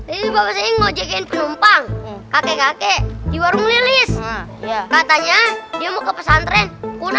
ini bapak saya mau jagain penumpang kakek kakek di warung lilis katanya dia mau ke pesantren kuna